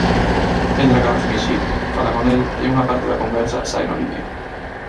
Entra Carlos Meixide, fala con el, e unha parte da conversa sae no vídeo.